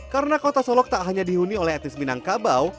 karena kota solok tak hanya dihuni oleh etnis minangkabau